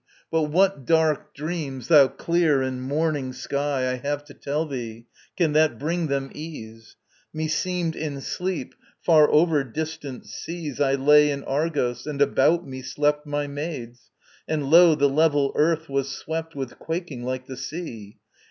But what dark dreams, thou clear and morning sky, I have to tell thee, can that bring them ease! Meseemed in sleep, far over distant seas, I lay in Argos, and about me slept My maids: and, lo, the level earth was swept With quaking like the sea.